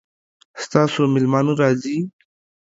ستاسو میلمانه راځي؟